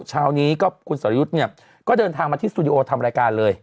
เช้านี้ก็คุณสรยุทธ์เนี่ยก็เดินทางมาที่สตูดิโอทำรายการเลย